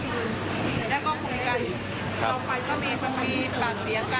จะแค่เงินพันกว่าบาทนี่เอง